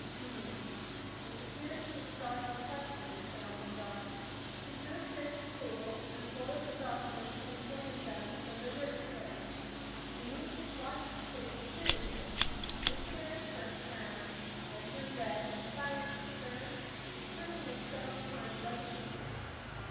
"H m. This appears to be the stock in question," said Uncle John. He drew a chair to the table, unfolded the documents and examined them with deliberate care. The nieces watched his face curiously. Mr. Merrick first frowned, then turned red, and finally a stern, determined look settled upon his rugged features.